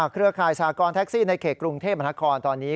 เครือข่ายสากรแท็กซี่ในเขตกรุงเทพมนาคอนตอนนี้